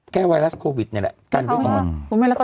แก้ไวรัสโควิดไหมแหละ